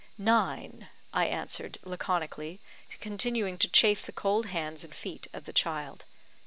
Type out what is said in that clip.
"Nine," I answered, laconically, continuing to chafe the cold hands and feet of the child.